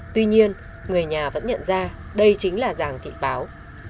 tuy nhiên người nhà vẫn nhận ra đây chính là giàng thị báo